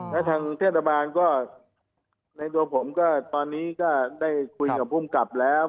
และทางเทศบาลก็ในตัวผมก็ตอนนี้ก็ได้คุยกับภูมิกับแล้ว